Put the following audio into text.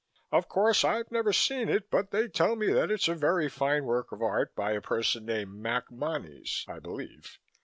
Of course, I've never seen it but they tell me that it's a very fine work of art, by a person named Mac Monnies, I believe.